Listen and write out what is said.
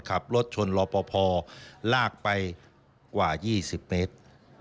ขับรถชนรอปภลากไปกว่า๒๐เมตร